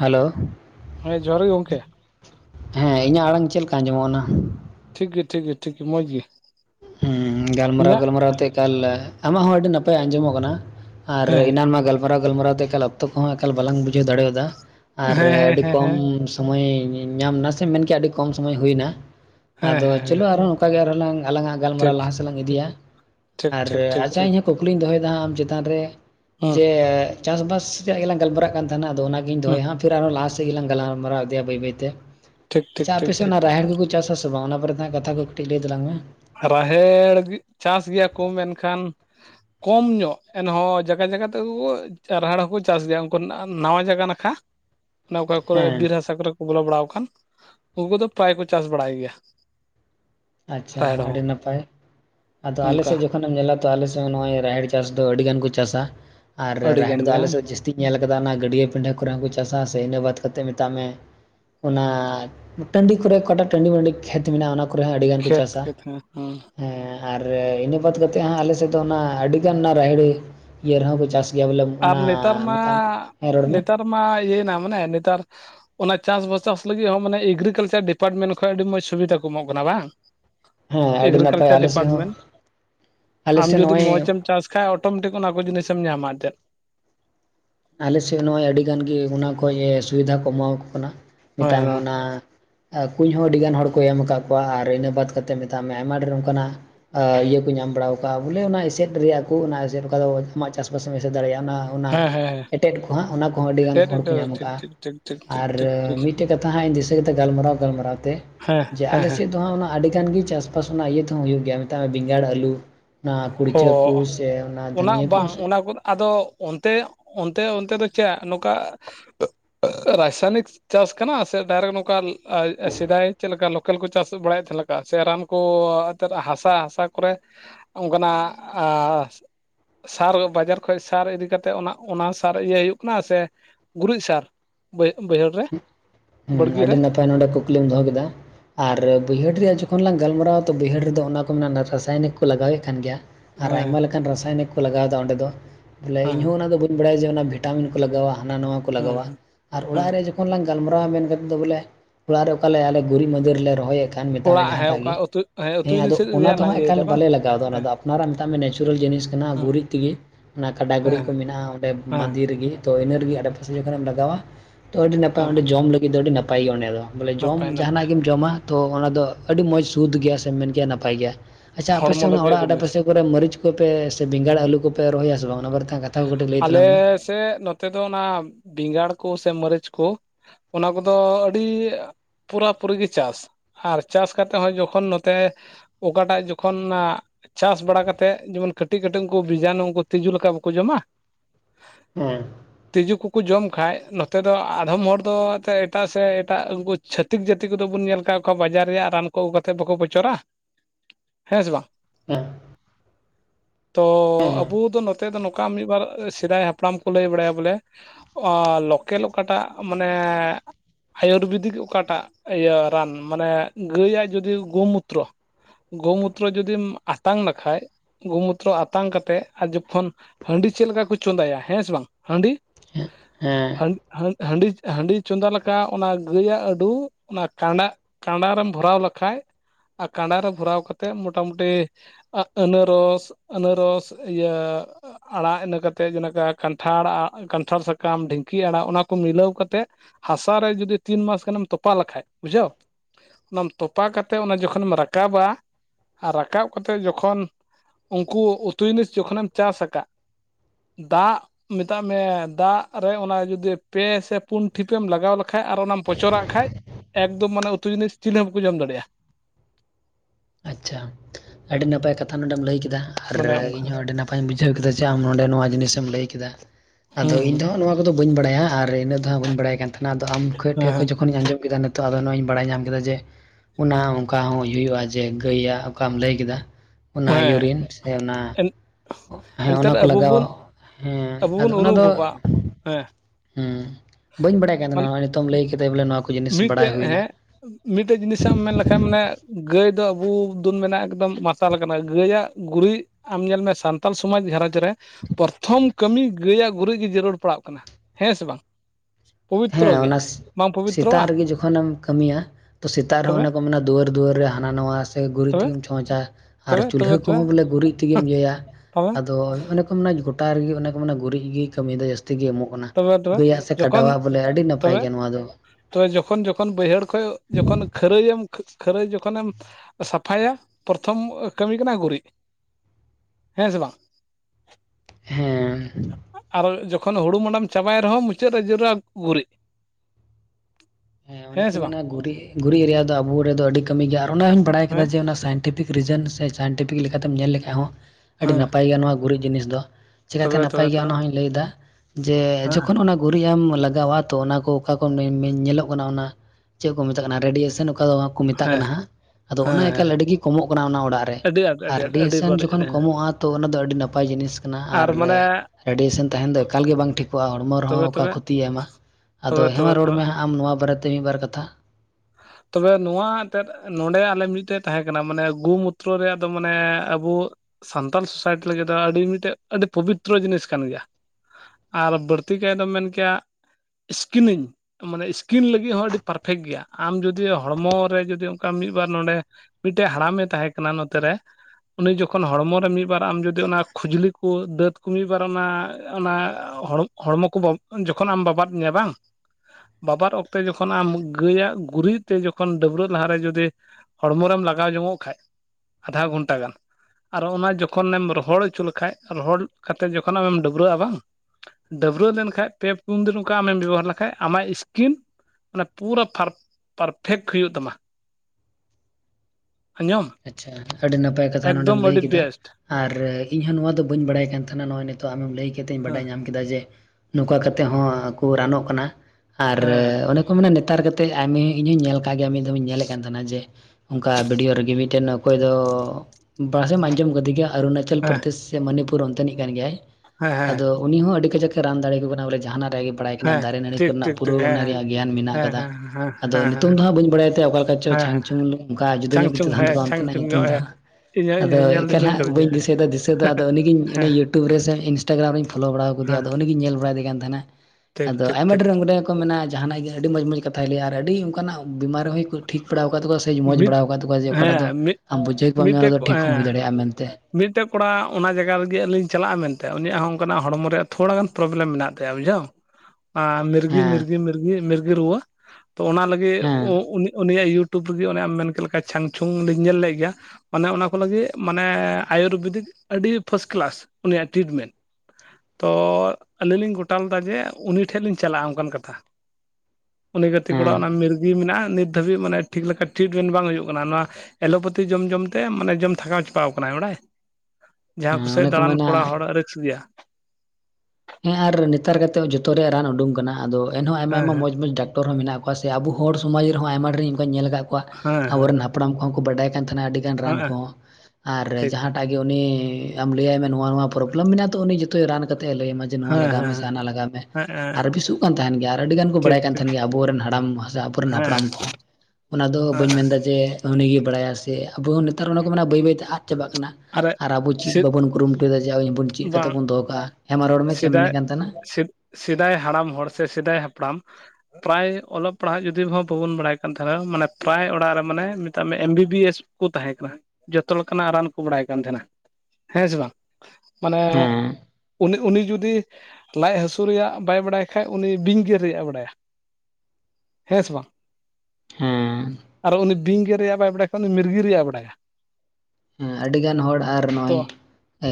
Hello ᱦᱚᱭ ᱡᱚᱦᱟᱨ ᱜᱮ ᱜᱚᱝᱠᱮ᱾ ᱦᱮᱸ ᱤᱧᱟᱹᱜ ᱟᱲᱟᱝ ᱪᱮᱫ ᱞᱮᱠᱟ ᱟᱸᱡᱚᱢᱚᱜ ᱠᱟᱱᱟ? ᱴᱷᱤᱠ ᱜᱮ ᱴᱷᱤᱠ ᱜᱮ ᱴᱷᱤᱠ ᱜᱮ ᱢᱚᱡᱽ ᱜᱮ᱾ ᱦᱮᱸ ᱜᱟᱞᱢᱟᱨᱟᱣ ᱤᱧᱟᱹᱜ ᱜᱟᱞᱢᱟᱨᱟᱣ ᱛᱮ ᱮᱠᱟᱞ ᱟᱢᱟᱜ ᱦᱚᱸ ᱟᱹᱰᱤ ᱱᱟᱯᱟᱭ ᱟᱸᱡᱚᱢᱚᱜ ᱠᱟᱱᱟ, ᱟᱨ ᱦᱮᱸ ᱮᱱᱟᱱᱢᱟ ᱜᱟᱞᱢᱟᱨᱟᱣ ᱜᱟᱞᱢᱟᱨᱟᱣ ᱛᱮ ᱮᱠᱟᱞ ᱚᱠᱛᱚ ᱠᱚᱦᱚᱸ ᱮᱠᱟᱞ ᱵᱟᱞᱟᱝ ᱵᱩᱡᱷᱟᱹᱣ ᱫᱟᱲᱮᱭᱟᱫᱟ᱾ ᱟᱨ ᱦᱮᱸ ᱦᱮᱸ ᱟᱹᱰᱤ ᱦᱮᱸ ᱠᱚᱢ, ᱦᱮᱸ ᱥᱹᱛᱚᱢᱚᱭ ᱧᱟᱢ ᱱᱟ ᱥᱮ ᱢᱮᱱᱠᱮ ᱟᱹᱰᱤ ᱠᱚᱢ ᱥᱚᱢᱚᱭ ᱦᱩᱭ ᱮᱱᱟ ᱦᱮᱸ ᱟᱫᱚ ᱦᱮᱸ ᱦᱮᱸ ᱪᱚᱞᱚ ᱟᱨᱚ ᱚᱱᱠᱟ ᱜᱮ ᱟᱨᱦᱚᱸ ᱞᱟᱝ ᱟᱞᱟᱝᱟᱜ ᱜᱟᱞᱢᱟᱨᱟᱣ ᱴᱷᱤᱠ ᱞᱟᱦᱟ ᱥᱮᱫ ᱞᱟᱝ ᱤᱫᱤᱭᱟ ᱴᱷᱤᱠ ᱟᱨ ᱴᱷᱤᱠ ᱴᱷᱤᱠ ᱟᱪᱷᱟ ᱴᱷᱤᱠ ᱤᱧ ᱦᱚᱸ...... ᱠᱩᱠᱞᱤᱧ ᱫᱚᱦᱚᱭᱮᱫᱟ ᱟᱢ ᱪᱮᱛᱟᱱ ᱨᱮ ᱦᱩᱸ ᱡᱮ ᱪᱟᱥ-ᱵᱟᱥ ᱨᱮᱭᱟᱜ ᱜᱮᱞᱟᱝ ᱜᱟᱞᱢᱟᱨᱟᱜ ᱠᱟᱱ ᱛᱟᱦᱮᱱᱟ ᱟᱫᱚ ᱚᱱᱟᱜᱤᱧ ᱦᱩᱸ ᱫᱚᱦᱚᱭᱟ ᱦᱟᱸᱜ ᱯᱷᱤᱨ ᱟᱨᱚ ᱞᱟᱦᱟ ᱥᱮᱜ ᱜᱮᱞᱟᱝ ᱜᱟᱞᱢᱟᱨᱟᱣ ᱤᱫᱤᱭᱟ ᱵᱟᱹᱭ ᱵᱟᱹᱭ ᱛᱮ ᱴᱷᱤᱠ ᱴᱷᱤᱠ ᱟᱪᱷᱟ ᱴᱷᱤᱠ ᱟᱯᱮᱥᱮᱫ ᱴᱷᱤᱠ ᱚᱱᱟ ᱨᱟᱦᱮᱲ ᱠᱚᱠᱚ ᱪᱟᱥ-ᱟ ᱥᱮ ᱵᱟᱝ ᱚᱱᱟ ᱠᱚᱨᱮ ᱱᱟᱜ ᱠᱟᱛᱷᱟ ᱠᱚ ᱠᱟᱹᱴᱤᱡ ᱞᱟᱹᱭ ᱛᱟᱞᱟᱝ ᱢᱮ ᱨᱟᱦᱮᱲ ᱜᱤ.. ᱪᱟᱥ ᱜᱤᱭᱟ ᱠᱚ ᱢᱮᱱ ᱠᱷᱟᱱ ᱠᱚᱢ ᱧᱚᱜ, ᱮᱱᱦᱚᱸ ᱡᱟᱜᱟ ᱡᱟᱭᱜᱟ ᱛᱮᱜᱮ ᱠᱚ ᱨᱟᱦᱮᱲ ᱦᱚᱸᱠᱚ ᱪᱟᱥ ᱜᱮᱭᱟ ᱩᱱᱠᱩᱱᱟᱜ ᱱᱷᱟᱶᱟ ᱡᱟᱭᱜᱟ ᱱᱟᱠᱷᱟ ᱚᱱᱮ ᱚᱠᱟ ᱠᱚᱨᱮ ᱦᱮᱸ ᱵᱤᱨ ᱦᱟᱥᱟ ᱠᱚᱨᱮ ᱠᱚ ᱵᱚᱞᱚ ᱵᱟᱲᱟ ᱣᱟᱠᱟᱱ ᱩᱱᱠᱩ ᱫᱚ ᱯᱨᱟᱭ ᱠᱚ ᱪᱟᱥ ᱵᱟᱲᱟᱭ ᱜᱮᱭᱟ ᱟᱪᱷᱟ ᱨᱟᱦᱮᱲ ᱦᱚᱸ ᱟᱹᱰᱤ ᱱᱟᱯᱟᱭ ᱟᱫᱚ ᱟᱞᱮ ᱚᱱᱠᱟ ᱥᱡ ᱡᱚᱠᱷ... ᱠᱷᱚᱱᱮᱢ ᱧᱮᱞᱟ ᱛᱚ ᱟᱞᱮᱥᱮᱫ ᱱᱚᱜ-ᱚᱭ ᱨᱟᱦᱮᱲ ᱪᱟᱥ ᱫᱚ ᱟᱹᱰᱤ ᱜᱟᱱ ᱠᱚ ᱪᱟᱥ-ᱟ ᱟᱨ ᱟᱹᱰᱤ ᱨᱟᱦᱮᱲ ᱜᱟᱱ ᱫᱚ ᱜᱮ ᱟᱞᱮ ᱵᱟᱝ ᱥᱮᱫ ᱫᱚ ᱡᱟᱹᱥᱛᱤ ᱤᱧ ᱧᱮᱞ ᱠᱟᱫᱟ ᱚᱱᱟ ᱜᱟᱹᱰᱭᱟᱹ ᱯᱤᱰᱟᱹ ᱠᱚᱨᱮ ᱦᱚᱸ ᱠᱚ ᱪᱟᱥᱟ ᱥᱮ ᱤᱱᱟᱹ ᱵᱟᱫᱽ ᱠᱟᱛᱮᱫ ᱢᱮᱛᱟᱜ ᱢᱮ ᱚᱱᱟ ᱴᱟᱺᱰᱤ ᱠᱚᱨᱮ ᱚᱠᱟᱴᱟᱜ ᱴᱟᱺᱰᱤ ᱢᱟᱹᱺᱰᱤ ᱠᱷᱮᱛ ᱢᱮᱱᱟᱜᱼᱟ ᱚᱱᱟ ᱠᱚᱨᱮ ᱦᱚᱸ ᱟᱹᱰᱤᱜᱟᱱ ᱠᱚ ᱠᱷᱮᱛ ᱪᱟᱥᱟ᱾ ᱠᱷᱮᱛ ᱦᱮᱸ ᱦᱮᱸ ᱦᱮᱸ ᱟᱨ ᱤᱱᱟᱹ ᱵᱟᱫᱽ ᱠᱟᱛᱮ ᱦᱟᱸᱜ ᱟᱞᱮᱥᱮᱫ ᱫᱚ ᱚᱱᱟ ᱟᱹᱰᱤ ᱜᱟᱱ ᱚᱱᱟ ᱨᱟᱦᱮᱲ ᱤᱭᱟᱹ ᱨᱮᱦᱚᱸ ᱠᱚ ᱪᱟᱥ ᱜᱮᱭᱟ ᱵᱚᱞᱮ ᱟᱨ ᱚᱱᱟ ᱱᱮᱛᱟᱨ ᱢᱟ ᱢᱮᱛᱟᱜ ᱢᱮ, ᱦᱮᱸ ᱨᱚᱲ ᱢᱮ ᱱᱮᱛᱟᱨ ᱢᱟ ᱤᱭᱟᱹ ᱱᱟ ᱢᱟᱱᱮ ᱱᱮᱛᱟᱨ ᱚᱱᱟ ᱪᱟᱥ ᱵᱟᱥᱟᱥ ᱞᱟᱹᱜᱤᱫ ᱦᱚᱸ ᱢᱟᱱᱮ ᱮᱜᱨᱤᱠᱟᱞᱪᱟᱨ ᱰᱤᱯᱟᱨᱴᱢᱮᱱᱴ ᱠᱷᱚᱡ ᱟᱹᱰᱤ ᱢᱚᱸᱡᱽ ᱥᱩᱵᱤᱫᱷᱟ ᱠᱚ ᱮᱢᱚᱜ ᱠᱟᱱᱟ ᱵᱟᱝ ᱦᱮᱸ ᱟᱹᱰᱤ ᱱᱟᱯᱟᱭ ᱮᱜᱽᱨᱤᱠᱟᱞᱪᱟᱨ ᱟᱞᱮ ᱥᱮᱫ ᱦᱚᱸ ᱰᱤᱯᱟᱨᱴᱢᱮᱱᱴ ᱟᱞᱮ ᱟᱢ ᱥᱮᱫ ᱡᱩᱫᱤ ᱱᱚᱜᱼᱚᱭ ᱢᱚᱸᱡᱮ ᱮᱢ ᱪᱟᱥ ᱠᱷᱟᱡ ᱚᱴᱚᱢᱮᱴᱤᱠ ᱚᱱᱟ ᱠᱚ ᱡᱤᱱᱤᱥ ᱮᱢ ᱧᱟᱢᱟ ᱪᱮᱫ ᱟᱞᱮ ᱥᱮᱫ ᱱᱚᱜᱼᱚᱭ ᱟᱹᱰᱤ ᱜᱟᱱ ᱜᱮ ᱚᱱᱟ ᱠᱷᱚᱱ ᱥᱩᱵᱤᱫᱷᱟ ᱠᱚ ᱮᱢᱟ ᱣᱟᱠᱚ ᱠᱟᱱᱟ ᱦᱳᱭ ᱢᱮᱛᱟᱜ ᱢᱮ ᱦᱮᱸ ᱚᱱᱟ ᱟᱨ ᱠᱩᱸᱧ ᱦᱚᱸ ᱟᱹᱰᱤ ᱜᱟᱱ ᱦᱚᱲ ᱠᱚ ᱮᱢ ᱟᱠᱟᱫ ᱠᱚᱣᱟ ᱟᱨ ᱤᱱᱟᱹ ᱵᱟᱫᱽ ᱠᱟᱛᱮᱫ ᱢᱮᱛᱟᱜ ᱢᱮ ᱟᱭᱢᱟ ᱰᱷᱮᱨ ᱚᱱᱠᱟᱱᱟᱜ ᱟ.. ᱤᱭᱟᱹ ᱠᱚ ᱧᱟᱢ ᱵᱟᱲᱟ ᱣᱟᱠᱟᱜᱼᱟ ᱵᱚᱞᱮ ᱚᱱᱟ ᱮᱥᱮᱫ ᱨᱮᱭᱟᱜ ᱠᱚ ᱚᱱᱟ ᱮᱥᱮᱫ ᱚᱠᱟ ᱫᱚ ᱟᱢᱟᱜ ᱪᱟᱥ-ᱵᱟᱥ ᱮᱢ ᱮᱥᱮᱫ ᱫᱟᱲᱮᱭᱟᱜᱼᱟ ᱚᱱᱟ ᱦᱮᱸ ᱦᱮᱸ ᱦᱮᱸ ᱪᱮᱫ ᱠᱚ ᱦᱟᱸᱜ ᱚᱱᱟ ᱠᱚᱦᱚᱸ ᱟᱹᱰᱤᱜᱟᱱ ᱦᱚᱲ ᱠᱚ ᱧᱟᱢ ᱴᱷᱤᱠ ᱟᱠᱟᱜᱼᱟ ᱴᱷᱤᱠ ᱴᱷᱤᱠ ᱴᱷᱤᱠ ᱴᱷᱤᱠ ᱟᱨ ᱴᱷᱤᱠ ᱴᱷᱤᱠ ᱴᱷᱤᱠ ᱢᱤᱫᱴᱮᱡ ᱠᱟᱛᱷᱟ ᱦᱟᱸᱜ ᱤᱧ ᱫᱤᱥᱟᱹ ᱠᱟᱛᱮ ᱜᱟᱞᱢᱟᱨᱟᱣ ᱜᱟᱞᱢᱟᱨᱟᱣ ᱛᱮ ᱦᱮᱸ ᱡᱮ ᱦᱮᱸ ᱟᱞᱮ ᱦᱮᱸ ᱥᱮᱫ ᱫᱚ ᱦᱟᱸᱜ ᱚᱱᱟ ᱟᱹᱰᱤ ᱜᱟᱱ ᱜᱮ ᱪᱟᱥ-ᱵᱟᱥ ᱚᱱᱟ ᱤᱭᱟᱹ ᱛᱮᱦᱚᱸ ᱦᱩᱭᱩᱜ ᱜᱮᱭᱟ ᱢᱮᱛᱟᱜᱼᱟ ᱢᱮ ᱵᱮᱸᱜᱟᱲ ᱟᱹᱞᱩ ᱚᱱᱟ ᱚ ᱠᱩᱲᱪᱟᱹ ᱠᱩ ᱥᱮ ᱚᱱᱟ ᱫᱷᱩᱱᱤᱭᱟᱹ ᱠᱩ ᱥᱮ [unintelligible] ᱟᱫᱚ ᱚᱱᱛᱮ, ᱚᱱᱛᱮ, ᱚᱱᱛᱮ ᱫᱚ ᱪᱮᱫ ᱱᱚᱝᱠᱟ ᱨᱟᱥᱟᱭᱱᱤᱠ ᱪᱟᱥ ᱠᱟᱱᱟ ᱥᱮ ᱰᱟᱭᱨᱮᱠᱴ ᱱᱚᱝᱠᱟ ᱟ.. ᱥᱮᱫᱟᱭ ᱪᱮᱫ ᱞᱮᱠᱟ ᱞᱳᱠᱟᱞ ᱠᱚ ᱪᱟᱥ ᱵᱟᱲᱟᱭᱮᱫ ᱛᱟᱦᱮᱸᱱ ᱞᱮ.... [unintelligible] ᱥᱮ ᱨᱟᱱ ᱠᱚ ᱮᱱᱛᱮᱫ ᱦᱟᱥᱟ ᱦᱟᱥᱟ ᱠᱚᱨᱮ ᱚᱱᱠᱟᱱᱟᱜ ᱥᱟᱨ ᱵᱟᱡᱟᱨ ᱠᱷᱚᱱ ᱥᱟᱨ ᱤᱫᱤ ᱠᱟᱛᱮᱫ ᱚᱱᱟ ᱥᱟᱨ ᱤᱭᱟᱹ ᱦᱩᱭᱩᱜ ᱠᱟᱱᱟ ᱥᱮ ᱜᱩᱨᱤᱡ ᱥᱟᱨ ᱵᱟ‌ᱜ ᱵᱟ. ᱭᱦᱟ. ᱲ ᱨᱮ [unintelligible] ᱦᱮᱸ ᱵᱟᱲᱜᱮ ᱟᱹᱰᱤ ᱨᱮ ᱱᱟᱯᱟᱭ ᱱᱚᱸᱰᱮ ᱠᱩᱠᱞᱤᱢ ᱫᱚᱦᱚ ᱠᱮᱫᱟ ᱟᱨ ᱵᱟᱹᱭᱦᱟᱹᱲ ᱨᱮᱭᱟᱜ ᱡᱚᱠᱷᱚᱱ ᱞᱟᱝ ᱜᱟᱞᱢᱟᱨᱟᱣᱟ ᱛᱚ ᱵᱟᱹᱭᱦᱟᱹᱲ ᱨᱮᱫᱚ ᱚᱱᱟ ᱠᱚ ᱢᱮᱱᱟ ᱨᱟᱥᱟᱭᱱᱤᱠ ᱠᱚ ᱞᱟᱜᱟᱣᱮᱫ ᱠᱟᱱ ᱜᱮᱭᱟ ᱟᱨ ᱦᱮᱸ ᱟᱭᱢᱟ ᱞᱮᱠᱟᱱ ᱨᱟᱥᱟᱭᱱᱤᱠ ᱠᱚ ᱞᱟᱜᱟᱣ ᱮᱫᱟ ᱚᱸᱰᱮ ᱫᱚ ᱵᱚᱞᱮ ᱦᱮᱸ ᱤᱧᱚᱸ ᱚᱱᱟ ᱫᱚ ᱵᱟᱲᱟᱭᱟ ᱡᱮ ᱚᱱᱟ ᱵᱷᱤᱴᱟᱢᱤᱱ ᱠᱚ ᱞᱟᱜᱟᱣᱟ ᱦᱟᱱᱟ ᱱᱷᱟᱶᱟ ᱠᱚ ᱦᱮᱸ ᱞᱟᱜᱟᱣᱟ ᱟᱨ ᱦᱮᱸ ᱚᱲᱟᱜ ᱨᱮ ᱡᱚᱠ... ᱡᱚᱠᱷᱚᱱ ᱞᱟᱝ ᱜᱟᱞᱢᱟᱨᱟᱣᱟ ᱢᱮᱱᱠᱷᱟᱱ ᱫᱚ ᱵᱚᱞᱮ ᱚᱲᱟᱜ ᱨᱮ ᱚᱠᱟᱞᱮᱠᱟ ᱟᱞᱮ ᱜᱩᱨᱤᱡ ᱢᱟᱫᱮ ᱨᱮ ᱞᱮ ᱨᱚᱦᱚᱮᱫ ᱠᱷᱟᱱ ᱢᱮᱛᱟᱜ ᱢᱮ ᱚᱲᱟᱜ ᱦᱮᱸ ᱡᱟᱦᱟᱸᱴᱟᱜ ᱚᱠᱟ ᱜᱮ ᱩᱛᱩ ᱩᱛᱩ ᱦᱮᱸ ᱟᱫᱚ ᱡᱤᱱᱤᱥ ᱚᱱᱟ ᱨᱮᱭᱟᱜ ᱫᱚ ᱞᱟᱝ ᱤᱭᱟᱹᱭᱮᱫᱟ ᱮᱠᱟᱞ ᱵᱟᱝ ᱵᱟᱞᱮ ᱞᱟᱜᱟᱣᱫᱟ ᱚᱱᱟ ᱦᱮᱸ ᱫᱚ ᱟᱯᱱᱟᱨᱟᱜ ᱛᱟᱜ ᱢᱮ ᱱᱮᱪᱟᱨᱮᱞ ᱡᱤᱱᱤᱥ ᱠᱟᱱᱟ ᱦᱮᱸ ᱜᱩᱨᱤᱡ ᱛᱮᱜᱮ ᱚᱱᱟ ᱠᱟᱰᱟ ᱜᱩᱨᱤᱡ ᱦᱮᱸ ᱠᱚ ᱢᱮᱱᱟᱜᱼᱟ ᱚᱸᱰᱮ ᱦᱮᱸ ᱢᱟᱸᱫᱤ ᱨᱮᱜᱮ ᱛᱚ ᱤᱱᱟᱹᱨᱮᱜᱮ ᱟᱲᱮᱯ ᱯᱟᱥᱮ ᱡᱚᱠᱷᱚᱱᱮᱢ ᱞᱟᱜᱟᱣᱟ ᱛᱚ ᱟᱹᱰᱤ ᱱᱟᱯᱟᱭ ᱦᱮᱸ ᱚᱸᱰᱮ ᱡᱚᱢ ᱞᱟᱹᱜᱤᱫ ᱫᱚ ᱟᱹᱰᱤ ᱱᱟᱯᱟᱭ ᱜᱮᱭᱟ ᱚᱸᱰᱮ ᱫᱚ ᱵᱚᱞᱮ ᱡᱚᱢ ᱱᱟᱯᱟᱭ ᱱᱟᱯᱟᱭ ᱡᱟᱦᱟᱱᱟᱜ ᱜᱮᱢ ᱡᱚᱢᱟ ᱛᱚ ᱚᱱᱟ ᱫᱚ ᱟᱹᱰᱤ ᱢᱚᱡᱽ ᱥᱩᱫᱷ ᱜᱮᱭᱟ ᱥᱮ ᱮᱢ ᱢᱮᱱ ᱠᱮᱭᱟ ᱱᱟᱯᱟᱭ ᱜᱤᱭᱟ ᱟᱪᱪᱷᱟ ᱦᱚᱲᱢᱚ ᱟᱯᱮᱥᱮᱱ ᱚᱱᱟ ᱞᱟᱹᱜᱤᱫ ᱚᱲᱟᱜ ᱟᱹᱰᱤ ᱟᱰᱮ ᱵᱮᱥ ᱯᱟᱥᱮ ᱠᱚᱨᱮ ᱢᱟ. ᱨᱤᱪ ᱠᱚ ᱯᱮ ᱥᱮ ᱵᱮᱸᱜᱟᱲ ᱟᱹᱞᱩ ᱠᱚᱯᱮ ᱨᱚᱦᱚᱭᱟ ᱥᱮ ᱵᱟᱝ ᱚᱱᱟ ᱵᱟᱨᱮ ᱛᱮ ᱟᱞᱮ ᱥᱮᱫ ᱱᱚᱛᱮ ᱫᱚ ᱚᱱᱟ ᱵᱮᱸᱜᱟᱲ ᱠᱚ ᱥᱮ ᱢᱟᱹᱨᱤᱪ ᱠᱚ ᱚᱱᱟ ᱠᱚᱫᱚ ᱟᱹᱰᱤ ᱯᱩᱨᱟ ᱯᱩᱨᱤ ᱜᱮ ᱪᱟᱥ ᱟᱨ ᱪᱟᱥ ᱠᱟᱛᱮᱫ ᱦᱚᱸ ᱡᱚᱠᱷᱚᱱ ᱱᱚᱛᱮ ᱚᱠᱟᱴᱟᱜ ᱡᱚᱠᱷᱚᱱ ᱪᱟᱥ ᱵᱟᱲᱟ ᱠᱟᱛᱮᱜ ᱡᱮᱢᱚᱱ ᱠᱟᱹᱴᱤᱡ ᱠᱟᱹᱴᱤᱡ ᱩᱱᱠᱩ ᱵᱤᱡᱟᱤᱱ ᱩᱱᱠᱩ ᱛᱤᱡᱩ ᱞᱮᱠᱟ ᱠᱚ ᱡᱚᱢᱟ ᱦᱮᱸ ᱛᱤᱡᱩ ᱠᱚᱠᱚ ᱡᱚᱢ ᱠᱷᱟᱱ ᱱᱚᱛᱮ ᱫᱚ ᱟᱫᱚᱢ ᱦᱚᱲ ᱫᱚ ᱮᱱᱛᱮᱫ ᱮᱴᱟᱜ ᱥᱮ ᱮᱴᱟᱜ ᱩᱱᱠᱩ ᱪᱷᱟᱹᱛᱤᱠ ᱡᱟᱹᱛᱤ ᱠᱚᱫᱚ ᱵᱚᱱ ᱧᱮᱞ ᱟᱠᱟᱫ ᱠᱚᱣᱟ ᱵᱟᱡᱟᱨ ᱨᱮᱭᱟᱜ ᱨᱟᱱ ᱠᱚ ᱟᱹᱜᱩ ᱠᱟᱛᱮᱫ ᱵᱟᱠᱚ ᱯᱨᱚᱪᱟᱨᱟ ᱦᱮᱸ ᱥᱮ ᱵᱟᱝ ᱦᱮᱸ ᱛᱚ ᱦᱮᱸ ᱟᱵᱚ ᱫᱚ ᱱᱚᱛᱮ ᱫᱚ ᱱᱚᱝᱠᱟ ᱢᱤᱫ ᱵᱟᱨ ᱥᱮᱫᱟᱭ ᱦᱟᱯᱲᱟᱢ ᱠᱚ ᱞᱟᱹᱭ ᱵᱟᱲᱟᱭᱟ ᱵᱚᱞᱮ ᱟᱸ ᱞᱳᱠᱮᱞ ᱚᱠᱟᱴᱟᱜ ᱢᱟᱱᱮ ᱟᱭᱩᱨᱵᱮᱫᱤᱠ ᱚᱠᱟᱴᱟᱜ ᱤᱭᱟᱹ ᱨᱟᱱ ᱢᱟᱱᱮ ᱜᱟᱹᱭ ᱟᱜ ᱡᱩᱫᱤ ᱜᱳᱣᱢᱩᱛᱨᱚ ᱜᱳᱣᱢᱛᱨᱚ ᱡᱩᱚᱫᱤᱢ ᱟᱛᱟᱝ ᱞᱮᱠᱷᱟᱡ ᱜᱳᱣᱢᱩᱛᱨᱚ ᱟᱛᱟᱝ ᱠᱟᱛᱮᱜ ᱟᱨ ᱡᱚᱠᱷᱚᱱ ᱦᱟᱺᱰᱤ ᱪᱮᱫ ᱞᱮᱠᱟ ᱠᱚ ᱪᱚᱸᱫᱟᱭᱟ ᱦᱮᱸ ᱥᱮ ᱵᱟᱝ ᱦᱟᱺᱰᱤ ᱦᱮᱸ ᱦᱟᱺᱰᱤ ᱦᱟᱺᱰᱤ ᱪᱚᱸᱫᱟ ᱞᱮᱠᱟ ᱚᱱᱟ ᱜᱟᱹᱭᱟᱜ ᱟᱹᱰᱩ ᱚᱱᱟ ᱠᱟᱸᱰᱟᱜ ᱠᱟᱸᱰᱟ ᱨᱮᱢ ᱵᱷᱚᱨᱟᱣ ᱞᱮᱠᱷᱟᱡ ᱟᱨ ᱠᱟᱸᱰᱟ ᱨᱮ ᱵᱷᱚᱨᱟᱣ ᱠᱟᱛᱮᱫ ᱢᱚᱴᱟ ᱢᱩᱴᱤ ᱟᱱᱟᱨᱚᱥ ᱟᱱᱟᱨᱚᱥ ᱤᱭᱟᱹ ᱟᱲᱟᱜ ᱤᱱᱟᱹ ᱠᱟ ᱠᱟᱛᱮᱮᱫ ᱡᱮᱞᱠᱟ ᱠᱟᱱᱴᱷᱟᱲ ᱟᱲᱟᱜ ᱠᱟᱱᱴᱷᱟᱲ ᱥᱟᱠᱟᱢ ᱰᱷᱤᱝᱠᱤ ᱟᱲᱟᱜ ᱚᱱᱟᱠᱚ ᱢᱤᱞᱟᱹᱣ ᱠᱟ ᱠᱟᱛᱮᱜ ᱦᱟᱥᱟᱨᱮ ᱡᱩᱫᱤ ᱛᱤᱱ ᱢᱟᱥ ᱜᱟᱱᱮᱢ ᱛᱚᱯᱟ ᱞᱮᱠᱷᱟᱡ ᱵᱩᱡᱷᱟᱹᱣ ᱚᱱᱟᱢ ᱛᱚᱯᱟ ᱠᱟᱛᱮᱫ ᱚᱱᱟ ᱡᱚᱠᱷᱚᱱᱮᱢ ᱨᱟᱠᱟᱵᱟ ᱟᱨ ᱨᱟᱠᱟᱵ ᱠᱟᱛᱮᱫ ᱡᱚᱠᱷᱚᱱ ᱩᱱᱠᱩ ᱩᱛᱩ ᱡᱤᱱᱤᱥ ᱡᱚᱠᱷᱚᱱᱮᱢ ᱪᱟᱥ ᱟᱠᱟᱜ ᱫᱟᱜ ᱢᱮᱛᱟᱜ ᱢᱮ ᱫᱟᱜ ᱨᱮ ᱚᱱᱟ ᱡᱩᱫᱤ ᱯᱮ ᱥᱮ ᱯᱩᱱ ᱴᱷᱤᱯᱮᱢ ᱞᱟᱜᱟᱣ ᱞᱮᱠᱷᱟᱡ ᱟᱨ ᱚᱱᱟᱢ ᱯᱚᱪᱚᱨᱟᱜ ᱠᱷᱟᱡ ᱮᱠᱫᱚᱢ ᱢᱟᱱᱮ ᱩᱛᱩ ᱡᱤᱱᱤᱥ ᱪᱤᱞᱤ ᱦᱚᱸ ᱵᱟᱠᱚ ᱡᱚᱢ ᱫᱟᱲᱮᱜᱼᱟ ᱟᱪᱪᱷᱟ ᱟᱹᱰᱤ ᱱᱟᱯᱟᱭ ᱠᱟᱛᱷᱟ ᱱᱚᱸᱰᱮᱢ ᱞᱟᱹᱭ ᱠᱮᱫᱟ ᱟᱨ ᱢᱟᱱᱮ ᱚᱱᱠᱟ ᱤᱧ ᱦᱚᱸ ᱟᱹᱰᱤ ᱱᱟᱯᱟᱭ ᱵᱟᱹᱧ ᱵᱩᱡᱷᱟᱹᱣ ᱠᱮᱫᱟ ᱡᱮ ᱟᱢ ᱱᱚᱰᱮ ᱱᱚᱣᱟ ᱡᱤᱱᱤᱥᱮᱢ ᱞᱟᱹᱭ ᱠᱮᱫᱟ ᱟᱫᱚ ᱦᱩᱸ ᱤᱧ ᱦᱩᱸ ᱫᱚ ᱱᱚᱣᱟ ᱚᱱᱟ ᱠᱚᱫᱚ ᱵᱟᱹᱧ ᱵᱟᱲᱟᱭᱟ ᱟᱨ ᱤᱱᱟᱹᱜ ᱫᱚ ᱦᱟᱸᱜ ᱵᱟᱹᱧ ᱵᱟᱲᱟᱭ ᱠᱟᱱ ᱛᱟᱦᱮᱱᱟ ᱟᱢ ᱠᱷᱚᱡ ᱴᱷᱮᱜ ᱦᱮᱸ ᱠᱷᱚᱡ ᱦᱮᱸ ᱡᱚᱠᱷᱚᱱ ᱤᱧ ᱟᱡᱚᱢ ᱠᱮᱫᱟ ᱱᱤᱛᱚᱜ ᱛᱚ ᱟᱫᱚ ᱱᱚᱜ ᱚᱭ ᱤᱧ ᱵᱟᱲᱟᱭ ᱧᱟᱢ ᱠᱮᱫᱟ ᱡᱮ ᱚᱱᱟ ᱚᱱᱠᱟ ᱦᱚᱸ ᱦᱩᱭᱩᱜᱼᱟ ᱡᱮ ᱜᱟᱹᱭ ᱟᱜ ᱚᱠᱟᱢ ᱞᱟᱹᱭ ᱠᱮᱫᱟ ᱚᱱᱟ ᱤᱭᱩᱨᱤᱱ ᱥᱮ ᱚᱱᱟ ᱦᱮᱸ ᱮᱱ ᱦᱮᱸ ᱚᱱᱟ ᱮᱱᱛᱮᱫ ᱠᱚ ᱟᱵᱚ ᱞᱟᱜᱟᱣᱼᱟ ᱵᱚᱱ ᱦᱮᱸ ᱟᱵᱚ ᱟᱫᱚ ᱵᱚᱱ ᱚᱱᱟ ᱫᱚ ᱚᱱᱩᱵᱷᱚᱵᱟ ᱦᱮᱸ ᱦᱩᱸ ᱵᱟᱹᱧ ᱵᱟᱲᱟᱭ ᱠᱟᱱ ᱛᱟᱦᱮᱱᱟ ᱢᱟᱱᱮ ᱱᱚᱜ ᱚᱭ ᱱᱤᱛᱚᱝ ᱞᱟᱹᱭ ᱠᱮᱫ ᱵᱚᱞᱮ ᱱᱚᱣᱟ ᱠᱚ ᱡᱤᱱᱤᱥ ᱵᱟᱲᱟᱭ ᱢᱤᱫᱴᱮᱡ ᱦᱩᱭᱱᱟ ᱦᱮᱸ ᱢᱤᱫᱴᱮᱡ ᱡᱤᱱᱤᱥᱟᱜ ᱮᱢ ᱢᱮᱱᱞᱠᱷᱟᱱᱡ ᱢᱟᱱᱮ ᱜᱟᱹᱭ ᱫᱚ ᱟᱵᱩ ᱫᱚ ᱢᱮᱱᱟ ᱟᱠᱟᱫᱟ ᱢᱟᱛᱟ ᱞᱮᱠᱟᱱᱟᱭ ᱜᱟᱹᱭ ᱟᱜ ᱜᱩᱨᱤᱡ ᱟᱢ ᱧᱮᱞ ᱢᱮ ᱥᱟᱱᱛᱟᱞ ᱥᱚᱢᱟᱡᱽ ᱜᱷᱟᱨᱚᱸᱡᱽ ᱨᱮ ᱯᱨᱚᱛᱷᱚᱢ ᱠᱟᱹᱢᱤ ᱜᱟᱹᱭᱟᱜ ᱜᱩᱨᱤᱡ ᱜᱮ ᱡᱟᱹᱨᱩᱲ ᱯᱟᱲᱟᱜ ᱠᱟᱱᱟ ᱦᱮᱸ ᱥᱮ ᱵᱟᱝ ᱯᱚᱵᱤᱛᱨᱚ ᱦᱮᱸ ᱜᱮᱭᱟ ᱚᱱᱟ ᱵᱟᱝ ᱯᱚᱵᱤᱛ ᱥᱮᱛᱟᱜ ᱨᱮᱜᱮ ᱡᱚᱠᱷᱚᱱᱮᱢ ᱠᱟᱹᱢᱤᱭᱟ ᱛᱚ ᱥᱮᱛᱟᱜ ᱨᱮᱦᱚᱸ ᱛᱚᱵᱮ ᱚᱱᱮ ᱠᱚ ᱢᱮᱱᱟ ᱫᱩᱣᱟᱹᱨ ᱫᱩᱣᱟᱹᱨ ᱨᱮ ᱦᱟᱱᱟ ᱱᱟᱣᱟ ᱥᱮ ᱜᱩᱨᱤᱡ ᱛᱚᱵᱮ ᱛᱮᱜᱮᱢ ᱪᱷᱚᱸᱪᱼᱟ ᱟᱨ ᱛᱚᱵᱮ ᱪᱩᱞᱦᱟᱹ ᱛᱚᱵᱮ ᱛᱚᱵᱮ ᱠᱚᱦᱚᱸ ᱵᱚᱞᱮ ᱜᱩᱨᱤᱡ ᱛᱮᱜᱮᱢ ᱤᱭᱟᱹᱭᱟ ᱛᱚᱵᱮ ᱟᱫᱚ ᱚᱱᱮ ᱠᱚ ᱜᱚᱴᱟ ᱨᱮᱜᱮ ᱚᱱᱟ ᱠᱚ ᱢᱮᱱᱟ ᱜᱩᱨᱤᱡ ᱜᱮᱭ ᱠᱟᱹᱢᱤ ᱮᱫᱟ ᱡᱟᱹᱥᱛᱤ ᱜᱮ ᱮᱢᱚᱜ ᱠᱟᱱᱟ ᱛᱚᱵᱮ ᱛᱚᱵᱮ ᱜᱟᱹᱭ ᱟᱜ ᱥᱮ ᱠᱟᱰᱟᱣᱟᱜ ᱵᱚᱞᱮ ᱟᱹᱰᱤ ᱱᱟᱯᱟᱭ ᱜᱮᱭᱟ ᱱᱚᱣᱟ ᱫᱚ ᱛᱚ ᱡᱚᱠᱷᱚᱱ ᱡᱚᱠᱷᱚᱱ ᱵᱟᱹᱭᱦᱟᱹᱲ ᱠᱷᱚᱡ ᱡᱚᱠᱷᱚᱱ ᱠᱷᱟᱹᱨᱟᱹᱭᱮᱢ ᱮᱢ ᱠᱷᱟᱹᱨᱟᱹᱭ ᱡᱚᱠᱷᱚᱱᱮᱢ ᱥᱟᱯᱷᱟᱭᱟ ᱯᱨᱚᱛᱷᱚᱢ ᱠᱟᱹᱢᱤ ᱠᱟᱱᱟ ᱜᱩᱨᱤᱡ ᱦᱮᱸ ᱥᱮ ᱵᱟᱝ ᱦᱮᱸ ᱟᱨ ᱡᱚᱠᱷᱚᱱ ᱦᱩᱲᱩ ᱢᱟᱰᱟᱢ ᱪᱟᱵᱟᱭ ᱨᱮᱦᱚᱸ ᱢᱩᱪᱟᱹᱫ ᱨᱮ ᱡᱟᱹᱨᱲᱟ ᱜᱩᱨᱤᱡ [unintelligible] ᱦᱮᱸ ᱚᱱᱮ ᱠᱚ ᱥᱮ ᱵᱟᱝ ᱢᱮᱱᱟ ᱜᱩᱨᱤᱡ ᱜᱩᱨᱤᱡ ᱨᱮᱭᱟᱜ ᱫᱚ ᱟᱵᱚ ᱨᱮᱫᱚ ᱟᱹᱰᱤ ᱠᱟᱹᱢᱤ ᱜᱮᱭᱟ ᱟᱨ ᱚᱱᱟ ᱦᱚᱧ ᱵᱟᱲᱟᱭ ᱟᱠᱟᱫᱟ ᱦᱮᱸ ᱡᱮ ᱚᱱᱟ ᱥᱟᱭᱮᱱ ᱴᱤᱯᱷᱤᱠ ᱨᱤᱡᱮᱱ ᱥᱮ ᱥᱟᱭᱮᱱᱴᱤᱯᱷᱤᱠ ᱞᱮᱠᱟᱛᱮᱢ ᱧᱮᱞ ᱞᱮᱠᱷᱟᱡ ᱦᱚᱸ ᱟᱹᱰᱤ ᱦᱮᱸ ᱱᱟᱯᱟᱭ ᱜᱮᱭᱟ ᱱᱚᱣᱟ ᱜᱩᱨᱤᱡ ᱡᱤᱱᱤᱥ ᱫᱚ ᱪᱮᱠᱟᱛᱮ ᱛᱚᱵᱮ ᱱᱟᱯᱟᱭ ᱛᱚᱵᱮ ᱜᱮᱭᱟ ᱛᱚᱵᱮ ᱚᱱᱟ ᱦᱚᱧ ᱞᱟᱹᱭ ᱮᱫᱟ ᱡᱮ ᱦᱮᱸ ᱡᱚᱠᱷᱚᱱ ᱚᱱᱟ ᱜᱩᱨᱤᱡ ᱮᱢ ᱞᱟᱜᱟᱣᱟ ᱛᱚ ᱚᱱᱟ ᱠᱚ ᱚᱠᱟ ᱠᱚ ᱢᱮᱱ ᱢᱮᱱ ᱧᱮᱞᱚᱜ ᱚᱱᱟ ᱚᱱᱟ ᱪᱮᱫ ᱠᱚ ᱢᱮᱛᱟᱜ ᱠᱟᱱᱟ ᱨᱮᱰᱤᱭᱮᱥᱚᱱ ᱚᱠᱟ ᱫᱚ ᱦᱟᱜ ᱠᱚ ᱢᱮᱛᱟᱜ ᱦᱮᱸ ᱠᱟᱱᱟ ᱦᱟᱸᱜ ᱟᱫᱚ ᱚᱱᱟ ᱦᱮᱸ ᱦᱮᱸ ᱮᱠᱟᱞ ᱟᱹᱰᱤᱜᱮ ᱠᱚᱢᱚᱜ ᱠᱟᱱᱟ ᱚᱱᱟ ᱚᱲᱟᱜ ᱨᱮ ᱟᱹᱰᱤ ᱟᱸᱴ ᱟᱨ ᱟᱹᱰᱤ ᱟᱸᱴ ᱟᱹᱰᱤ ᱨᱮᱰᱤᱭᱮᱥᱮᱱ ᱵᱟᱹᱲᱤᱡ ᱡᱚᱠᱷᱚᱱ ᱦᱮᱸ ᱠᱚᱢᱚᱜᱼᱟ ᱛᱚ ᱚᱱᱟᱫᱚ ᱟᱹᱰᱤ ᱱᱟᱯᱟᱭ ᱡᱤᱱᱤᱥ ᱠᱟᱱᱟ ᱟᱨ ᱨᱮᱰᱤᱭᱮᱥᱮᱱ ᱛᱟᱦᱮᱱ ᱫᱚ ᱮᱠᱟᱞ ᱜᱮ ᱵᱟᱝ ᱴᱷᱤᱠᱚᱜᱼᱟ ᱦᱚᱲᱢᱚ ᱨᱮᱦᱚᱸ ᱛᱚᱵᱮ ᱚᱠᱟ ᱛᱚᱵᱮ ᱠᱷᱚᱛᱤᱭ ᱮᱢᱟ ᱟᱫᱚ ᱛᱚᱵᱮ ᱦᱮᱸᱢᱟ ᱛᱚᱵᱮ ᱨᱚᱲ ᱛᱚᱵᱮ ᱢᱮ ᱦᱟᱸᱜ ᱟᱢ ᱱᱚᱣᱟ ᱵᱟᱨᱮᱛᱮ ᱢᱤᱫ ᱵᱟᱨ ᱠᱟᱛᱷᱟ ᱛᱚᱵᱮ ᱱᱚᱣᱟ ᱮᱱᱛᱮᱫ ᱱᱚᱰᱮ ᱟᱞᱮ ᱢᱤᱫᱴᱮᱡ ᱛᱟᱦᱮᱸ ᱠᱟᱱᱟ ᱢᱟᱱᱮ ᱜᱩ ᱢᱟᱛᱨᱚ ᱨᱮ ᱟᱫᱚ ᱢᱟᱱᱮ ᱟᱵᱚ ᱥᱟᱱᱛᱟᱲ ᱥᱳᱥᱟᱭᱴᱤ ᱞᱟᱹᱜᱤᱫ ᱫᱚ ᱟᱹᱰᱤ ᱢᱤᱫᱴᱮᱡ ᱟᱹᱰᱤ ᱯᱚᱵᱤᱛᱨᱚ ᱡᱤᱱᱤᱥ ᱠᱟᱱ ᱜᱮᱭᱟ᱾ ᱟᱨ ᱵᱟᱹᱲᱛᱤ ᱠᱟᱭ ᱫᱚ ᱢᱮᱱ ᱠᱮᱭᱟ ᱥᱠᱤᱱᱤᱧ ᱢᱟᱱᱮ ᱥᱠᱤᱱ ᱞᱟᱹᱜᱤᱫ ᱦᱚᱸ ᱟᱹᱰᱤ ᱯᱟᱨᱯᱷᱮᱠᱴ ᱜᱮᱭᱟ᱾ ᱟᱢ ᱡᱩᱫᱤ ᱦᱚᱲᱢᱚ ᱨᱮ ᱡᱩᱫᱤ ᱚᱱᱠᱟ ᱢᱤᱫ-ᱵᱟᱨ ᱱᱚᱰᱮ ᱢᱤᱫᱴᱮᱡ ᱦᱟᱲᱟᱢᱮ ᱛᱟᱦᱮᱸ ᱠᱟᱱᱟ ᱱᱚᱛᱮᱨᱮ ᱩᱱᱤ ᱡᱚᱠᱷᱚᱱ ᱦᱚᱲᱢᱚ ᱨᱮ ᱢᱤᱫ ᱵᱟᱨ ᱟᱢ ᱡᱩᱫᱤ ᱚᱱᱟ ᱠᱷᱩᱡᱽᱞᱤ ᱠᱚ ᱫᱟᱹᱛ ᱠᱚ ᱢᱤᱫ ᱵᱟᱨ ᱚᱱᱟ ᱚᱱᱟ ᱦᱚᱲᱚ ᱦᱚᱲᱢᱚ ᱠᱚ ᱡᱚᱠᱷᱚᱱ ᱟᱢ ᱵᱟᱵᱟᱫ ᱢᱮᱭᱟ ᱵᱟᱝ ᱵᱟᱵᱟᱫ ᱚᱠᱛᱮ ᱡᱚᱠᱷᱚᱱ ᱟᱢ ᱜᱟᱹᱭ ᱟᱜ ᱜᱩᱨᱤᱡ ᱛᱮ ᱡᱚᱠᱷᱚᱱ ᱰᱟᱹᱵᱽᱨᱟᱹᱜ ᱞᱟᱦᱟ ᱨᱮ ᱡᱩᱚᱫᱤ ᱦᱚᱲᱢᱚ ᱨᱮᱢ ᱞᱟᱜᱟᱣ ᱡᱚᱝᱚᱜ ᱠᱷᱟᱡ ᱟᱫᱷᱟ ᱜᱷᱚᱱᱴᱟ ᱜᱟᱱ ᱟᱨ ᱚᱱᱟ ᱡᱚᱠᱷᱚᱱᱮᱢ ᱨᱚᱦᱚᱲ ᱚᱪᱚ ᱞᱮᱠᱷᱟᱡ ᱨᱚᱦᱚᱲ ᱠᱟᱛᱮ ᱡᱚᱠᱷᱚᱱ ᱟᱢᱮᱢ ᱰᱟᱹᱵᱽᱨᱟᱹᱜᱼᱟ ᱵᱟᱝ ᱰᱟᱹᱵᱽᱨᱟᱹ ᱞᱮᱱᱠᱷᱟᱡ ᱯᱮ ᱯᱩᱱ ᱫᱤᱱ ᱚᱠᱟ ᱟᱢᱮᱢ ᱵᱮᱵᱚᱦᱟᱨ ᱞᱮᱠᱷᱟᱡ ᱟᱢᱟᱜ ᱤᱥᱠᱤᱱ ᱢᱟᱱᱮ ᱯᱩᱨᱟᱹ ᱯᱟᱨᱯᱷᱮᱠᱴ ᱦᱩᱭᱩᱜ ᱛᱟᱢᱟ ᱟᱸᱡᱚᱢ ᱟᱪᱪᱷᱟ ᱟᱹᱰᱤ ᱱᱟᱯᱟᱭ ᱠᱟᱛᱷᱟ ᱱᱚᱰᱮᱢ ᱮᱠᱫᱚᱢ ᱞᱟᱹᱭ ᱟᱹᱰᱤ ᱠᱮᱫᱟ ᱵᱮᱥᱴ ᱟᱨ ᱤᱧ ᱦᱚᱸ ᱱᱚᱣᱟ ᱫᱚ ᱵᱟᱹᱧ ᱵᱟᱲᱟᱭ ᱠᱟᱱ ᱛᱟᱦᱮᱱᱟ ᱱᱚᱜᱚᱭ ᱱᱤᱛᱚᱜ ᱟᱢᱮᱢ ᱞᱟᱹᱭ ᱠᱟᱛᱮ ᱵᱟᱰᱟᱭ ᱦᱮᱸ ᱧᱟᱢ ᱠᱮᱫ ᱠᱮᱫᱟ ᱡᱮ ᱱᱚᱝᱠᱟ ᱠᱟᱛᱮ ᱦᱚᱸ ᱠᱚ ᱨᱟᱱᱚᱜ ᱠᱟᱱᱟ ᱟᱨ ᱦᱮᱸ ᱚᱱᱮ ᱠᱚ ᱢᱮᱱᱟ ᱱᱮᱛᱟᱨ ᱠᱟᱛᱮᱫ ᱟᱭᱢᱟ ᱤᱧ ᱦᱚᱧ ᱧᱮᱞ ᱟᱠᱟᱫ ᱜᱮᱭᱟ ᱢᱤᱫ ᱫᱢ ᱤᱧ ᱧᱮᱞᱮᱫ ᱠᱟᱱ ᱛᱟᱦᱮᱱᱟ ᱡᱮ ᱚᱱᱠᱟ ᱵᱷᱤᱰᱭᱳ ᱨᱮᱜᱮ ᱢᱤᱫ ᱢᱤᱫᱴᱮᱱ ᱚᱠᱚᱭ ᱫᱚ ᱵᱟᱥᱮᱢ ᱟᱸᱡᱚᱢ ᱠᱟᱫᱮ ᱜᱮᱭᱟ ᱚᱨᱩᱱᱟᱪᱚᱞ ᱦᱮᱸ ᱯᱨᱚᱫᱮᱥ ᱢᱚᱱᱤᱯᱩᱨ ᱚᱱᱛᱮᱟᱱᱤᱡ ᱠᱟᱱ ᱜᱮᱭᱟᱭ ᱦᱮᱸ ᱦᱮᱸ ᱟᱫᱚ ᱩᱱᱤ ᱦᱚᱸ ᱟᱹᱰᱤ ᱠᱟᱡᱟᱠ ᱮ ᱨᱟᱱ ᱫᱟᱲᱮᱭᱟ ᱠᱚ ᱠᱟᱱᱟ ᱵᱚᱞᱮ ᱡᱟᱦᱟᱱᱟᱜ ᱨᱮᱜᱮ ᱵᱟᱲᱟᱭ ᱠᱟᱱᱟ ᱦᱮᱸ ᱫᱟᱨᱮ ᱱᱟᱲᱤ ᱴᱷᱤᱠ ᱠᱚᱨᱮᱱᱟᱜ ᱴᱷᱤᱠ ᱯᱩᱨᱟᱹ ᱴᱷᱤᱠ ᱦᱮᱸ ᱱᱟᱹᱲᱤ ᱜᱮᱭᱟᱱ ᱢᱮᱱᱟᱜ ᱦᱮᱸ ᱠᱟᱫᱟ ᱦᱮᱸ ᱦᱮᱸ ᱟᱫᱚ ᱧᱩᱛᱩᱢ ᱦᱮᱸ ᱫᱚ ᱦᱟᱸᱜ ᱵᱟᱹᱧ ᱵᱟᱲᱟᱭᱟ ᱚᱠᱟ ᱞᱮᱠᱟ ᱪᱷᱟ ᱦᱮᱸ ᱦᱮᱸ ᱚᱱᱠᱟ ᱡᱩᱫᱟᱹ ᱪᱷᱟᱝ ᱧᱚᱜ ᱜᱮ ᱪᱷᱩᱝ ᱛᱟᱦᱮᱱ ᱦᱮᱸ ᱛᱟᱠᱚᱣᱟ ᱪᱷᱟᱝ ᱚᱱᱛᱮᱱᱟᱜ ᱪᱷᱩᱝ ᱧᱩᱛᱩᱢ ᱧᱚᱜ ᱫᱚ ᱦᱮᱸ ᱟᱫᱚ ᱤᱧ ᱧᱮᱞ ᱫᱩᱧ ᱮᱠᱟᱞ ᱧᱮᱞ ᱦᱟᱸᱜ ᱠᱟᱫᱮᱭᱟ ᱵᱟᱹᱧ ᱫᱤᱥᱟᱹᱭ ᱮᱫᱟ ᱫᱤᱥᱟᱹ ᱫᱚ ᱟᱫᱚ ᱩᱱᱤᱜᱮᱧ ᱦᱮᱸ ᱤᱭᱩᱴᱩᱵᱽ ᱨᱮ ᱥᱮ ᱤᱱᱴᱟᱜᱨᱟᱢ ᱨᱧ ᱯᱷᱚᱞᱳ ᱵᱟᱲᱟ ᱟᱠᱟᱫᱮᱭᱟ ᱦᱮᱸ ᱟᱫᱚ ᱩᱱᱤ ᱜᱮᱧ ᱧᱮᱞ ᱵᱟᱲᱟᱭᱮᱫᱮ ᱠᱟᱱ ᱛᱟᱦᱮᱱᱟ ᱴᱷᱤᱠ ᱟᱫᱚ ᱴᱷᱤᱠ ᱟᱭᱢᱟ ᱴᱷᱤᱠ ᱰᱷᱮᱨ ᱚᱰᱮ ᱟᱨ ᱠᱚ ᱢᱮᱱᱟ ᱡᱟᱦᱟᱱᱟᱜ ᱜᱮ ᱟᱹᱰᱤ ᱢᱚᱡᱽ ᱢᱚᱡᱽ ᱠᱟᱛᱷᱟᱭ ᱞᱟᱹᱭᱟ ᱟᱨ ᱟᱹᱰᱤ ᱚᱱᱠᱟᱱᱟᱜ ᱵᱤᱢᱟᱨ ᱦᱚᱸᱭ ᱴᱷᱤᱠ ᱯᱟᱲᱟᱣ ᱟᱠᱟᱫ ᱠᱚᱣᱟ ᱥᱮ ᱠᱟᱹ ᱢᱚᱡᱽ ᱢᱤᱫ ᱵᱟᱲᱟᱣ ᱟᱠᱟᱫ ᱛᱟᱠᱚᱣᱟ ᱚᱠᱟᱴᱟᱜ ᱫᱚ ᱦᱮᱸ ᱢᱤᱫ ᱟᱢ ᱵᱩᱡᱷᱟᱹᱣ ᱜᱮ ᱵᱟᱢ ᱧᱟᱢᱟ ᱡᱮ ᱚᱱᱟ ᱫᱚ ᱴᱷᱤᱠ ᱦᱚᱸ ᱦᱩᱭ ᱫᱟᱲᱮᱭᱟᱜᱼᱟ ᱢᱮᱱᱛᱮ᱾ ᱢᱤᱫᱴᱟᱹᱝ ᱠᱚᱲᱟ ᱚᱱᱟ ᱡᱟᱭᱜᱟ ᱨᱮᱜᱮ ᱟᱹᱞᱤᱧ ᱪᱟᱞᱟᱜᱼᱟ ᱢᱮᱱᱛᱮ ᱩᱱᱤᱭᱟᱜ ᱦᱚᱸ ᱚᱱᱠᱟᱱᱟᱜ ᱦᱚᱲᱢᱚ ᱨᱮᱭᱟᱜ ᱛᱷᱚᱲᱟ ᱜᱟᱱ ᱯᱨᱚᱜᱞᱮᱢ ᱢᱮᱱᱟᱜ ᱛᱟᱭᱟ ᱵᱩᱡᱷᱟᱹᱣ᱾ ᱢᱤᱨᱜᱤ ᱦᱮᱸ ᱢᱤᱨᱜᱤ ᱢᱤᱨᱜᱤ ᱢᱤᱨᱜᱤ ᱨᱩᱣᱟᱹ ᱛᱚ ᱚᱱᱟ ᱞᱟᱹᱜᱤᱫ ᱦᱮᱸ ᱩᱱᱤ ᱩᱱᱤ ᱩᱱᱤᱭᱟᱜ ᱤᱭᱴ ᱴᱩᱵ ᱨᱮᱜᱮ ᱚᱱᱮ ᱟᱢᱮᱢ ᱢᱮᱱ ᱠᱮᱫ ᱞᱮᱠᱟ ᱪᱷᱟᱝ ᱪᱷᱚᱝ ᱞᱤᱧ ᱧᱮᱞ ᱞᱮᱫ ᱜᱮᱭᱟ᱾ ᱚᱱᱮ ᱚᱱᱟ ᱠᱷᱚᱱᱟᱜ ᱜᱮ ᱢᱟᱱᱮ ᱟᱭᱩᱨᱵᱮᱫᱤᱠ ᱟᱹᱰᱤ ᱯᱷᱟᱥᱴ ᱠᱮᱞᱟᱥ ᱩᱱᱤᱭᱟᱜ ᱴᱨᱤᱴᱢᱮᱱᱴ᱾ ᱛᱚ ᱟᱹᱞᱤᱧ ᱞᱤᱧ ᱜᱚᱴᱟ ᱞᱮᱫᱟ ᱡᱮ ᱩᱱᱤ ᱴᱷᱮᱱ ᱞᱤᱧ ᱪᱟᱞᱟᱜᱼᱟ ᱚᱱᱠᱟᱱ ᱠᱟᱛᱷᱟ᱾ ᱩᱱᱤ ᱜᱟᱛᱮ ᱠᱚᱲᱟ ᱚᱱᱟ ᱦᱮᱸ ᱢᱤᱨᱜᱤ ᱢᱮᱱᱟᱜᱼᱟ ᱱᱤᱛ ᱫᱷᱟᱹᱵᱤᱡ ᱢᱟᱱᱮ ᱴᱷᱤᱠ ᱞᱮᱠᱟ ᱴᱨᱤᱴᱢᱮᱱᱴ ᱵᱟᱝ ᱦᱩᱭᱩᱜ ᱠᱟᱱᱟ᱾ ᱱᱚᱣᱟ ᱮᱞᱳᱯᱮᱛᱷᱤ ᱡᱚᱢ ᱡᱚᱢ ᱛᱮ ᱢᱟᱱᱮ ᱡᱚᱢ ᱛᱷᱟᱠᱟᱣ ᱪᱟᱯᱟᱣ ᱟᱠᱟᱱᱟᱭ ᱵᱟᱲᱟᱭ ᱡᱟᱦᱟᱸ ᱚᱱᱮ ᱠᱚᱥᱮᱫ ᱠᱚ ᱫᱟᱬᱟᱱ ᱢᱮᱱᱟ ᱠᱚᱲᱟ ᱦᱚᱲᱟᱜ ᱨᱤᱹᱥᱠ ᱜᱮᱭᱟ᱾ ᱦᱮᱸ ᱟᱨ ᱱᱮᱛᱟᱨ ᱠᱟᱛᱮᱫ ᱡᱚᱛᱚ ᱨᱮᱭᱟᱜ ᱨᱟᱱ ᱩᱰᱩᱠ ᱟᱠᱟᱱᱟ ᱟᱫᱚ ᱮᱱᱦᱚᱸ ᱟᱭᱢᱟ ᱦᱮᱸ ᱟᱭᱢᱟ ᱢᱚᱸᱡᱽ ᱢᱚᱸᱡᱽ ᱰᱟᱠᱛᱟᱨ ᱢᱮᱱᱟᱜ ᱠᱚᱣᱟ ᱥᱮ ᱟᱵᱚ ᱦᱚᱲ ᱥᱚᱢᱟ ᱨᱮᱦᱚᱸ ᱟᱭᱢᱟ ᱰᱷᱮᱨ ᱚᱱᱠᱟᱧ ᱧᱮᱞ ᱟᱠᱟᱫ ᱠᱚᱶᱟ ᱦᱮᱸ ᱟᱵᱚ ᱦᱮᱸ ᱨᱮᱱ ᱦᱟᱯᱲᱟ ᱦᱟᱯᱲᱟᱢ ᱠᱚᱦᱚᱸ ᱠᱚ ᱵᱟᱰᱟᱭ ᱠᱟᱱ ᱛᱟᱦᱮᱱᱟ ᱟᱹᱰᱤ ᱜᱟᱱ ᱨᱟᱱ ᱦᱮᱸ ᱦᱮᱸ ᱠᱚᱦᱚᱸ, ᱟᱨ ᱴᱷᱤᱠ ᱡᱟᱦᱟᱸ ᱟᱜᱮ ᱩᱱᱤ ᱟᱢ ᱞᱟᱹᱭᱟᱭ ᱢᱮ ᱱᱚᱣᱟ ᱱᱚᱣᱟ ᱯᱨᱳᱚᱵᱞᱮᱢ ᱢᱮᱱᱟᱜ ᱛᱚ ᱩᱱᱤ ᱡᱚᱛᱚᱭ ᱨᱟᱱ ᱠᱟᱛᱮ ᱮ ᱞᱟᱹᱭᱟᱢᱟ᱾ ᱡᱮ ᱱᱚᱣᱟ ᱦᱮᱸ ᱞᱟᱜᱟᱣ ᱢᱮ ᱥᱮ ᱦᱮᱸ ᱦᱟᱱᱟ ᱞᱟᱜᱟᱣ ᱢᱮ ᱦᱮᱸ ᱟᱨ ᱵᱮᱥᱚᱜ ᱠᱟᱱ ᱛᱟᱦᱮᱱ ᱜᱮᱭᱟ ᱟᱨ ᱟᱹᱰᱤᱜᱟᱱ ᱠᱚ ᱴᱷᱤᱠ ᱵᱟᱲᱟᱭ ᱠᱟᱱ ᱴᱷᱤᱠ ᱛᱟᱦᱮᱱ ᱜᱮᱭᱟ ᱟᱵᱚᱨᱮᱱ ᱦᱟᱲᱟᱢ ᱥᱮ ᱟᱵᱚᱨᱮᱱ ᱦᱮᱸ ᱦᱟᱯᱲᱟᱢ ᱠᱚᱦᱚᱸ ᱚᱱᱟ ᱫᱚ ᱵᱟᱹᱧ ᱦᱮᱸ ᱢᱮᱱᱫᱟ ᱡᱮ ᱩᱱᱤ ᱜᱮᱭ ᱵᱟᱲᱟᱭᱟ ᱥᱮ ᱟᱵᱚ ᱦᱚᱸ ᱱᱮᱛᱟᱨ ᱚᱱᱟ ᱠᱚ ᱢᱮᱱᱟ ᱵᱟᱹᱭ ᱵᱟᱹᱭ ᱛᱮ ᱟᱫ ᱪᱟᱵᱟᱜ ᱠᱟᱱᱟ ᱟᱨᱮ ᱟᱨ ᱟᱵᱚ ᱪᱮᱫ ᱥᱮᱫ ᱵᱟᱵᱚᱱ ᱩᱨᱩᱢ ᱠᱮᱫᱟᱭ ᱡᱮ ᱟᱵᱚᱱ ᱪᱮᱫ ᱠᱟᱛᱮ ᱵᱟᱝ ᱵᱚᱱ ᱫᱚᱦᱚ ᱠᱟᱜᱼᱟ ᱦᱮ ᱢᱟ ᱨᱚᱲ ᱢᱮ ᱪᱮᱫ ᱮᱢ ᱢᱮᱱᱮᱫ ᱥᱮᱫᱟᱭ ᱠᱟᱱ ᱛᱟᱦᱮᱱᱟ ᱥᱮᱫᱟᱭ ᱦᱟᱲᱟᱢ ᱦᱚᱲ ᱥᱮ ᱥᱮᱫᱟᱭ ᱦᱟᱯᱲᱟᱢ ᱯᱨᱟᱭ ᱚᱞᱚᱜ ᱯᱟᱲᱦᱟᱜ ᱡᱩᱫᱤ ᱦᱚᱸ ᱵᱟᱵᱚᱱ ᱵᱟᱲᱟᱭ ᱠᱟᱱ ᱛᱟᱦᱮᱱᱟ ᱢᱟᱱᱮ ᱯᱨᱟᱭ ᱚᱲᱟᱜ ᱨᱮ ᱢᱟᱱᱮ ᱢᱮᱛᱟᱜ ᱢᱮ ᱮᱢ ᱵᱤ ᱵᱤ ᱮᱥ ᱠᱚ ᱛᱟᱦᱮᱸ ᱠᱟᱱᱟ ᱡᱚᱛᱚ ᱞᱮᱠᱟᱱᱟᱜ ᱨᱟᱱ ᱠᱚ ᱵᱟᱲᱟᱭ ᱠᱟᱱ ᱛᱟᱦᱮᱱᱟ ᱦᱮᱸ ᱥᱮ ᱵᱟᱝ ᱢᱟᱱᱮ ᱦᱮᱸ ᱩᱱᱤ ᱩᱱᱤ ᱡᱩᱫᱤ ᱞᱟᱡ ᱦᱟᱹᱥᱩ ᱨᱮᱭᱟᱜ ᱵᱟᱭ ᱵᱟᱲᱟᱭ ᱠᱷᱟᱡ ᱩᱱᱤ ᱵᱤᱧ ᱜᱮᱨ ᱨᱮᱭᱟᱜᱼ ᱮ ᱵᱟᱲᱟᱭᱟ᱾ ᱦᱮᱸ ᱥᱮ ᱵᱟᱝ? ᱦᱮᱸ ᱟᱨ ᱩᱱᱤ ᱵᱤᱧ ᱜᱮᱨ ᱨᱮᱭᱟᱜ ᱵᱟᱭ ᱵᱟᱲᱟᱭ ᱠᱷᱟᱡ ᱩᱱᱤ ᱢᱤᱨᱜᱤ ᱨᱮᱭᱟᱜ ᱮ ᱵᱟᱲᱟᱭᱟ ᱟᱹᱰᱤᱜᱟᱱ ᱦᱚᱲ ᱟᱨ ᱛᱚ ᱱᱚᱜᱼᱚᱭ ᱮ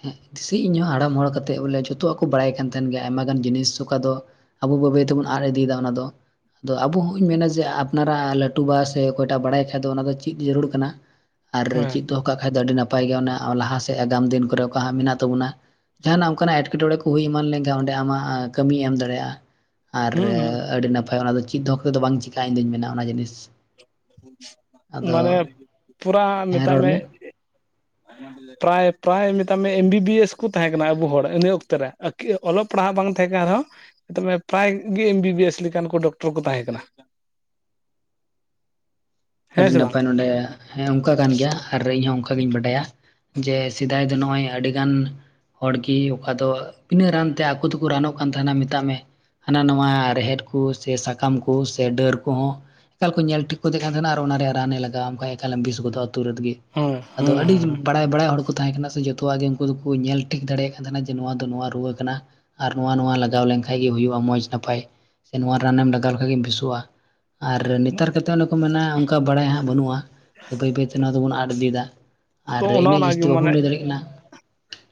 ᱦᱮᱸ ᱥᱮ ᱤᱧᱦᱚᱸ ᱦᱟᱲᱟᱢ ᱦᱚᱲ ᱠᱟᱛᱮᱜ ᱵᱚᱞᱮ ᱡᱚᱛᱚᱣᱟᱜ ᱠᱚ ᱵᱟᱲᱟᱭ ᱠᱟᱱ ᱛᱟᱦᱮᱸᱱ ᱜᱮᱭᱟ ᱟᱭᱢᱟ ᱜᱟᱱ ᱡᱤᱱᱤᱥ ᱚᱠᱟ ᱫᱚ ᱟᱵᱚ ᱵᱟᱹᱭ ᱵᱟᱹᱭ ᱛᱮᱵᱚᱱ ᱟᱫ ᱤᱫᱤᱭᱮᱫᱟ ᱚᱱᱟ ᱫᱚ ᱟᱫᱚ ᱟᱵᱚ ᱦᱚᱸ ᱤᱧ ᱢᱮᱱᱟ ᱡᱮ ᱟᱯᱱᱟᱨᱟᱜ ᱞᱟᱹᱴᱩ ᱵᱟ ᱥᱮ ᱚᱠᱚᱭᱴᱟᱜ ᱵᱟᱲᱟᱭ ᱠᱷᱟᱡ ᱫᱚ ᱚᱱᱟ ᱫᱚ ᱪᱮᱫ ᱡᱟᱹᱨᱩᱲ ᱠᱟᱱᱟ ᱟᱨ ᱦᱮᱸ ᱪᱮᱫ ᱫᱚᱦᱚ ᱠᱟᱜ ᱠᱷᱟᱡ ᱫᱚ ᱟᱹᱰᱤ ᱱᱟᱯᱟᱭ ᱜᱮᱭᱟ ᱚᱱᱟ ᱞᱟᱦᱟ ᱥᱮᱫ ᱟᱜᱟᱢ ᱫᱤᱱ ᱠᱚᱨᱮ ᱚᱠᱟ ᱦᱟᱸᱜ ᱢᱮᱱᱟᱜ ᱛᱟᱵᱚᱱᱟ ᱡᱟᱦᱟᱱᱟᱜ ᱚᱱᱠᱟᱱᱟᱜ ᱮᱴᱠᱮᱴᱚᱬᱮ ᱠᱚ ᱦᱩᱭ ᱮᱢᱟᱱ ᱞᱮᱱᱠᱷᱟᱱ ᱚᱸᱰᱮ ᱟᱢᱟᱜ ᱠᱟᱹᱢᱤᱭ ᱮᱢ ᱫᱟᱲᱮᱭᱟᱜᱼᱟ ᱟᱨ ᱦᱩᱸ ᱟᱹᱰᱤ ᱱᱟᱯᱟᱭ ᱚᱱᱟ ᱫᱚ ᱪᱮᱫ ᱫᱚᱦᱚ ᱠᱟᱛᱮ ᱫᱚ ᱵᱟᱝ ᱪᱤᱠᱟᱜᱼᱟ ᱤᱧᱫᱚᱧ ᱢᱮᱱᱟ ᱚᱱᱟ ᱡᱤᱱᱤᱥ ᱟᱫᱚ ᱯᱩᱨᱟᱹ ᱦᱮᱸ ᱢᱮᱛᱟᱜ ᱨᱚᱲ ᱢᱮ [unintelligible] ᱯᱨᱟᱭ ᱯᱨᱟᱭ ᱢᱮᱛᱟᱜ ᱢᱮ ᱮᱢ ᱵᱤ ᱵᱤ ᱮᱥ ᱠᱚ ᱛᱟᱦᱮᱸᱠᱟᱱᱟ ᱟᱵᱚ ᱦᱚᱲ ᱤᱱᱟᱹ ᱚᱠᱛᱮ ᱨᱮ ᱚᱞᱚᱜ ᱯᱟᱲᱦᱟᱜ ᱵᱟᱝ ᱛᱟᱦᱮᱸ ᱠᱟᱱ ᱨᱮᱦᱚᱸ ᱛᱚᱵᱮ ᱯᱨᱟᱭ ᱜᱮ ᱮᱢ ᱵᱤ ᱵᱤ ᱮᱥ ᱞᱮᱠᱟᱱ ᱠᱚ ᱰᱚᱠᱴᱚᱨ ᱠᱚ ᱛᱟᱦᱮᱸ ᱠᱟᱱᱟ᱾ ᱦᱮᱸ ᱟᱹᱰᱤ ᱥᱮ ᱵᱟᱝ ᱱᱟᱯᱟᱭ ᱱᱚᱰᱮ ᱚᱱᱠᱟ ᱠᱟᱱ ᱜᱮᱭᱟ ᱟᱨ ᱤᱧᱦᱚᱸ ᱚᱱᱠᱟ ᱜᱤᱧ ᱵᱟᱰᱟᱭᱟ ᱡᱮ ᱡᱟᱦᱟᱭ ᱫᱚᱭ ᱱᱚᱜᱼᱚᱭ ᱟᱹᱰᱤᱜᱟᱱ ᱦᱚᱲᱜᱮ ᱚᱠᱟ ᱫᱚ ᱵᱤᱱᱟᱹᱜ ᱨᱟᱱᱛᱮ ᱟᱠᱚ ᱫᱚᱠᱚ ᱨᱟᱱᱚᱜ ᱠᱟᱱ ᱛᱟᱦᱮᱱᱟ ᱢᱮᱛᱟᱜ ᱢᱮ᱾ ᱦᱟᱱᱟ ᱱᱟ ᱨᱮᱦᱮᱫ ᱠᱚ ᱥᱮ ᱥᱟᱠᱟᱢ ᱠᱚ ᱥᱮ ᱰᱟᱹᱨ ᱠᱚᱦᱚᱸ ᱮᱠᱟᱞ ᱠᱚ ᱧᱮᱞ ᱴᱷᱤᱠ ᱠᱚᱫᱮ ᱠᱟᱱ ᱟᱨ ᱚᱱᱟ ᱨᱮᱭᱟᱜ ᱨᱟᱱᱮ ᱞᱟᱜᱟᱣᱟᱢ ᱠᱷᱟᱡ ᱮᱠᱟᱞᱮᱢ ᱵᱮᱥ ᱜᱚᱫᱚᱜᱼᱟ ᱛᱩᱨᱟᱨᱱᱛ ᱜᱮ ᱦᱮᱸ ᱟᱫᱚ ᱦᱮᱸ ᱟᱹᱰᱤ ᱦᱮᱸ ᱵᱟᱲᱟᱭ ᱵᱟᱲᱟᱭ ᱦᱚᱲ ᱠᱚ ᱛᱟᱦᱮᱸ ᱠᱟᱱᱟᱟᱱᱟ ᱥᱮ ᱡᱚᱛᱚᱣᱟᱜ ᱜᱮ ᱩᱱᱠᱩ ᱛᱟᱦᱮᱸ ᱠᱟᱱᱟ ᱥᱮ ᱡᱚᱛᱚᱣᱟᱜ ᱜᱮ ᱩᱱᱠᱚ ᱫᱚᱠᱚ ᱧᱮᱞ ᱴᱷᱤᱠ ᱫᱟᱲᱮᱭᱟᱜ ᱠᱟᱱ ᱛᱟᱦᱮᱸᱱᱟ ᱡᱮ ᱱᱚᱣᱟ ᱫᱚ ᱱᱚᱣᱟ ᱨᱩᱣᱟᱹ ᱠᱟᱱᱟ ᱟᱨ ᱱᱚᱣᱟ ᱱᱚᱣᱟ ᱞᱟᱜᱟᱣ ᱞᱮᱱᱠᱷᱟᱡ ᱜᱮ ᱦᱩᱭᱩᱜᱼᱟ ᱢᱚᱸᱡᱽ ᱱᱟᱯᱟᱭ ᱥᱮ ᱱᱚᱣᱟ ᱨᱟᱱᱮᱢ ᱞᱟᱜᱟᱣ ᱞᱮᱠᱟᱡ ᱜᱮᱢ ᱵᱮᱥᱚᱜᱼᱟ ᱟᱨ ᱱᱮᱛᱟᱨ ᱠᱟᱛᱮᱜ ᱚᱱᱮ ᱠᱚ ᱢᱮᱱᱟ ᱚᱱᱠᱟ ᱵᱟᱲᱟᱭ ᱦᱟᱸᱜ ᱵᱟᱹᱱᱩᱜᱼᱟ ᱥᱮ ᱵᱟᱹᱭ ᱵᱟᱹᱭᱛᱮ ᱱᱚᱣᱟ ᱫᱚᱵᱚᱱ ᱟᱫ ᱤᱫᱤᱭᱮᱫᱟ ᱟᱨ ᱛᱚ ᱚᱱᱮ ᱤᱱᱟᱹᱜ ᱡᱟᱹᱥᱛᱤ ᱚᱱᱟᱜᱮ ᱢᱟᱱᱮ ᱵᱟᱵᱚᱱ ᱞᱟᱹᱭ ᱫᱟᱲᱮᱜ ᱠᱟᱱᱟ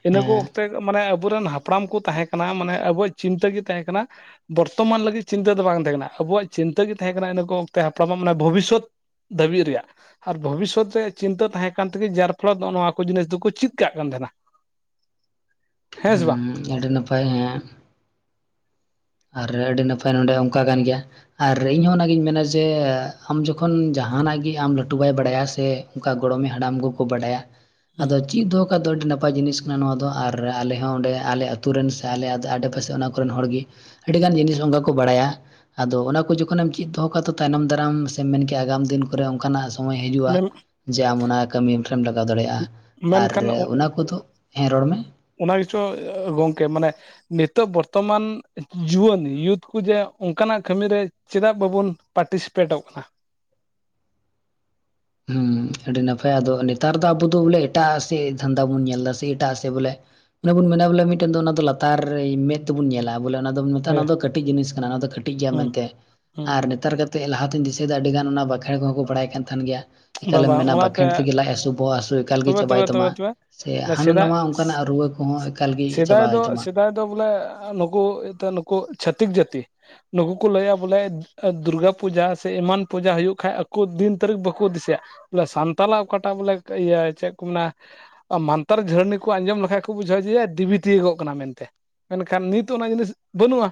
ᱤᱱᱟᱹ ᱠᱚ ᱦᱮᱸ ᱚᱠᱛᱮ ᱢᱟᱱᱮ ᱟᱵᱚᱨᱮᱱ ᱦᱟᱯᱲᱟᱢ ᱠᱚ ᱛᱟᱦᱮᱸ ᱠᱟᱱᱟ ᱢᱟᱱᱮ ᱟᱵᱚᱣᱟᱜ ᱪᱤᱱᱛᱟᱹ ᱜᱮ ᱛᱟᱦᱮᱸ ᱠᱟᱱᱟ ᱵᱚᱨᱛᱚᱢᱟᱱ ᱞᱟᱹᱜᱤᱫ ᱪᱤᱱᱛᱟᱹ ᱫᱚ ᱵᱟᱝ ᱛᱟᱦᱮᱸ ᱠᱟᱱᱟ ᱟᱵᱚᱣᱟᱜ ᱪᱤᱱᱛᱟᱹ ᱜᱮ ᱛᱟᱦᱮᱸ ᱠᱟᱱᱟ ᱤᱱᱟᱹ ᱠᱚ ᱚᱠᱛᱮ ᱦᱟᱯᱲᱟᱢᱟᱜ ᱢᱟᱱᱮ ᱵᱷᱚᱵᱤᱥᱥᱚᱛ ᱫᱷᱟᱹᱵᱤᱡ ᱨᱮᱭᱟᱜ ᱟᱨ ᱵᱷᱚᱵᱤᱥᱥᱚᱛ ᱨᱮᱭᱟᱜ ᱪᱤᱱᱛᱟᱹ ᱛᱟᱦᱮᱸ ᱠᱟᱱ ᱛᱮᱜᱮ ᱡᱟᱨ ᱯᱷᱚᱞᱚᱛ ᱫᱚ ᱱᱚᱣᱟ ᱠᱚ ᱡᱤᱱᱤᱥ ᱫᱚᱠᱚ ᱪᱮᱫ ᱠᱟᱜ ᱠᱟᱱ ᱛᱟᱦᱮᱸᱱᱟ ᱦᱮᱸ ᱟᱹᱰᱤ ᱱᱟᱯᱟᱭ ᱦᱮᱸ ᱟᱨ ᱟᱹᱰᱤ ᱱᱟᱯᱟᱭ ᱱᱚᱸᱰᱮ ᱚᱱᱠᱟ ᱠᱟᱱ ᱜᱮᱭᱟ ᱟᱨ ᱤᱧᱦᱚᱸ ᱚᱱᱟᱜᱤᱧ ᱢᱮᱱᱟ ᱡᱮ ᱟᱢ ᱡᱚᱠᱷᱚᱱ ᱡᱟᱦᱟᱱᱟᱜ ᱜᱮ ᱟᱢ ᱞᱟᱹᱴᱩᱵᱟᱭ ᱵᱟᱲᱟᱭᱟ ᱥᱮ ᱚᱱᱠᱟ ᱜᱚᱲᱚᱢᱮ ᱦᱟᱲᱟᱢ ᱠᱚᱠᱚ ᱵᱟᱰᱟᱭᱟ ᱟᱫᱚ ᱪᱮᱫ ᱫᱚ ᱚᱱᱠᱟ ᱫᱚ ᱟᱹᱰᱤ ᱱᱟᱯᱟᱭ ᱡᱤᱱᱤᱥ ᱠᱟᱱᱟ ᱱᱚᱣᱟ ᱫᱚ ᱟᱨ ᱟᱞᱮ ᱦᱚᱸ ᱚᱸᱰᱮ ᱟᱞᱮ ᱟᱛᱳ ᱨᱮᱱ ᱥᱮ ᱟᱞᱮ ᱟᱲᱮᱯᱟᱥᱮ ᱚᱱᱟ ᱠᱚᱨᱮᱱ ᱦᱚᱲᱜᱮ ᱟᱹᱰᱤᱜᱟᱱ ᱡᱤᱱᱤᱥ ᱚᱱᱠᱟ ᱠᱚ ᱵᱟᱲᱟᱭᱟ ᱟᱫᱚ ᱚᱱᱟ ᱠᱚ ᱡᱚᱠᱷᱚᱱᱮᱢ ᱪᱮᱫ ᱫᱚᱦᱚ ᱠᱟᱜᱼᱟ ᱛᱚ ᱛᱟᱭᱱᱚᱢ ᱫᱟᱨᱟᱢ ᱥᱮᱢ ᱢᱮᱱᱠᱮᱭᱟ ᱟᱜᱟᱢ ᱫᱤᱱ ᱠᱚᱨᱮ ᱚᱱᱠᱟᱱᱟᱜ ᱥᱚᱢᱚᱭ ᱦᱤᱡᱩᱜᱼᱟ ᱡᱮ ᱟᱢ ᱚᱱᱟ ᱠᱟᱹᱢᱤ ᱨᱮᱢ ᱞᱟᱜᱟᱣ ᱫᱟᱲᱮᱭᱟᱜᱼᱟ ᱟᱨ ᱢᱮᱱᱠᱷᱟᱱ ᱚᱱᱟ ᱠᱚᱫᱚ ᱦᱮᱸ ᱨᱚᱲ ᱢᱮ ᱚᱱᱟ ᱜᱮ ᱪᱚ ᱜᱚᱝᱠᱮ ᱢᱟᱱᱮ ᱱᱤᱛᱚᱜ ᱵᱚᱨᱛᱚᱢᱟᱱ ᱡᱩᱣᱟᱹᱱ ᱤᱭᱩᱛᱷ ᱠᱚ ᱡᱮ ᱚᱱᱠᱟᱱᱟᱜ ᱠᱟᱹᱢᱤᱨᱮ ᱪᱮᱫᱟᱜ ᱵᱟᱵᱚᱱ ᱯᱟᱨᱴᱤᱥᱤᱯᱮᱴᱚᱜ ᱠᱟᱱᱟ ᱦᱮᱸ ᱟᱹᱰᱤ ᱱᱟᱯᱟᱭ ᱟᱫᱚ ᱱᱮᱛᱟᱨ ᱫᱚ ᱟᱵᱚ ᱫᱚ ᱵᱚᱞᱮ ᱮᱴᱟᱜ ᱥᱮ ᱫᱷᱱᱫᱟ ᱵᱚᱱ ᱧᱮᱞ ᱮᱫᱟ ᱥᱮ ᱮᱴᱟᱜ ᱥᱮᱫ ᱵᱚᱞᱮ ᱚᱱᱟ ᱵᱚᱱ ᱢᱮᱱᱟ ᱵᱚᱞᱮ ᱢᱤᱫᱴᱮᱱ ᱫᱚ ᱚᱱᱟ ᱫᱚ ᱞᱟᱛᱟᱨ ᱨᱮ ᱢᱮᱫ ᱛᱮᱵᱚᱱ ᱧᱮᱞᱟ᱾ ᱵᱚᱠᱮ ᱚᱱᱟ ᱫᱚ ᱢᱮᱛᱟᱜ ᱚᱱᱟ ᱦᱮᱸ ᱫᱚ ᱠᱟᱹᱴᱤᱡ ᱡᱤᱱᱤᱥ ᱠᱟᱱᱟ ᱚᱱᱟ ᱫᱚ ᱠᱟᱹᱴᱤᱡ ᱜᱮᱭᱟ ᱢᱮᱱᱛᱮ ᱦᱮᱸ ᱟᱨ ᱱᱮᱛᱟᱨ ᱠᱟᱛᱮᱜ ᱞᱟᱦᱟᱛᱮᱧ ᱫᱤᱥᱟᱹᱭᱮᱫᱟ ᱟᱹᱰᱤ ᱜᱟᱱ ᱚᱱᱟ ᱵᱟᱠᱷᱮᱬ ᱠᱚ ᱦᱚᱸ ᱠᱚ ᱵᱟᱲᱟᱭ ᱠᱟᱱ ᱛᱟᱦᱮᱸᱱ ᱜᱮᱭᱟ ᱵᱟᱝ ᱮᱠᱟᱞᱮᱢ ᱵᱟᱝ ᱢᱮᱱᱟ ᱚᱱᱟᱛᱮ ᱵᱟᱠᱷᱮᱬ ᱛᱮᱜᱮ ᱞᱟᱡ ᱦᱟᱥᱩ ᱵᱚᱦᱚᱜ ᱦᱟᱥᱩ ᱮᱠᱟᱞ ᱜᱮ ᱛᱚᱵᱮ ᱪᱟᱵᱟᱭ ᱛᱚᱵᱮ ᱛᱟᱢᱟ ᱛᱚᱵᱮ ᱛᱚᱵᱮ ᱥᱮ ᱦᱟᱱᱟ ᱱᱟᱥᱮᱱᱟᱜ ᱱᱷᱟᱣᱟ ᱚᱱᱠᱟᱱᱟᱜ ᱨᱩᱣᱟᱹ ᱠᱚᱦᱚᱸ ᱮᱠᱟᱞ ᱜᱮ ᱥᱮᱫᱟᱭ ᱪᱟᱵᱟᱭ ᱫᱚ ᱛᱟᱢᱟ ᱥᱮᱫᱟᱭ ᱵᱚᱞᱮ ᱱᱩᱠᱩ ᱮᱱᱛᱮᱫ ᱱᱩᱠᱩ ᱪᱷᱟᱹᱛᱤᱠ ᱡᱟᱹᱛᱤ ᱱᱩᱠᱩ ᱠᱚ ᱞᱟᱹᱭᱟ ᱵᱚᱞᱮ ᱫᱩᱨᱜᱟ ᱯᱩᱡᱟ ᱥᱮ ᱮᱢᱟᱱ ᱯᱩᱡᱟ ᱦᱳᱭᱚᱜ ᱠᱷᱟᱡ ᱟᱠᱚ ᱫᱤᱱ ᱛᱟᱹᱨᱤᱠᱷ ᱵᱟᱠᱚ ᱫᱤᱥᱟᱹᱭᱟ ᱵᱚᱞᱮ ᱥᱟᱱᱛᱟᱞᱟᱜ ᱚᱠᱟᱴᱟᱜ ᱵᱚᱞᱮ ᱤᱭᱟᱹ ᱪᱮᱫ ᱠᱚ ᱢᱮᱱᱟ ᱢᱟᱱᱛᱟᱨ ᱡᱷᱟᱹᱨᱱᱤ ᱠᱚ ᱟᱸᱡᱚᱢ ᱞᱮᱠᱷᱟᱡ ᱠᱚ ᱵᱩᱡᱷᱟᱹᱣᱟ ᱡᱮ ᱫᱮᱵᱤ ᱛᱤᱭᱚᱜᱚᱜ ᱠᱟᱱᱟ ᱢᱮᱱᱛᱮ ᱢᱮᱱᱠᱷᱟᱱ ᱱᱤᱛ ᱚᱱᱟ ᱡᱤᱱᱤᱥ ᱵᱟᱹᱱᱩᱜᱼᱟ